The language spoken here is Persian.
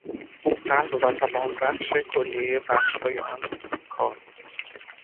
او قلب و توانبخش کلیهی بخشهای آن کار بود.